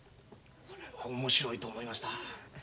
これは面白いと思いました。